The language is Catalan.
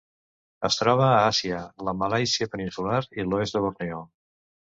Es troba a Àsia: la Malàisia peninsular i l'oest de Borneo.